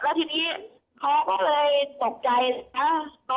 แล้วทีนี้เขาก็เลยตกใจนะครับ